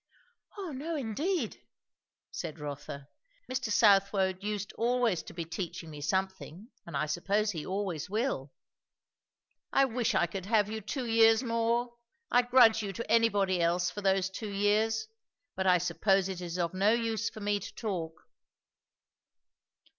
"O no indeed!" said Rotha. "Mr. Southwode used always to be teaching me something, and I suppose he always will." "I wish I could have you two years more! I grudge you to anybody else for those two years. But I suppose it is of no use for me to talk."